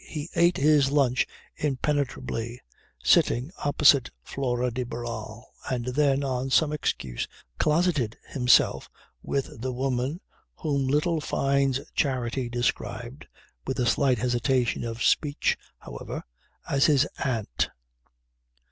He ate his lunch impenetrably, sitting opposite Flora de Barral, and then, on some excuse, closeted himself with the woman whom little Fyne's charity described (with a slight hesitation of speech however) as his "Aunt."